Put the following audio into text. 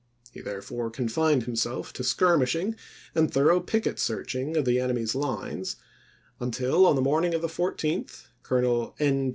He therefore confined himself to skir mishing and thorough picket searching of the enemy's lines, until, on the morning of the 14th, Colonel N.